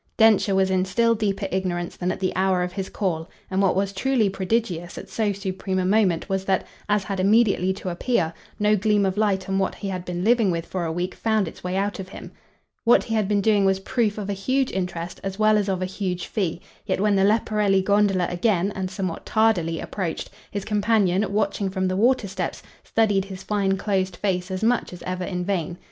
Densher was in still deeper ignorance than at the hour of his call, and what was truly prodigious at so supreme a moment was that as had immediately to appear no gleam of light on what he had been living with for a week found its way out of him. What he had been doing was proof of a huge interest as well as of a huge fee; yet when the Leporelli gondola again, and somewhat tardily, approached, his companion, watching from the water steps, studied his fine closed face as much as ever in vain.